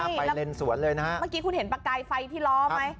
ไปเลนสวนเลยนะฮะเมื่อกี้คุณเห็นประกายไฟที่ล้อไหม